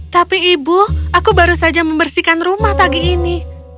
tapi ibu aku baru saja membersihkan rumah pagi ini